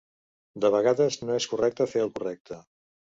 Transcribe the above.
De vegades no és correcte fer el correcte.